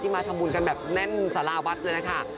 มาทำบุญกันแบบแน่นสาราวัดเลยนะคะ